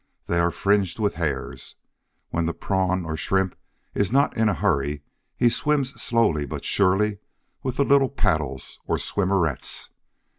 They are fringed with hairs. When the Prawn or Shrimp is not in a hurry, he swims slowly but surely with the little paddles, or "swimmerets."